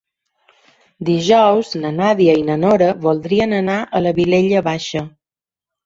Dijous na Nàdia i na Nora voldrien anar a la Vilella Baixa.